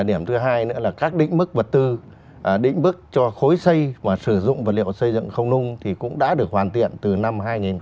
điểm thứ hai nữa là các đỉnh mức vật tư đỉnh mức cho khối xây và sử dụng vật liệu xây dựng không nung thì cũng đã được hoàn thiện từ năm hai nghìn một mươi bảy